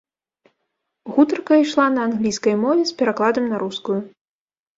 Гутарка ішла на англійскай мове з перакладам на рускую.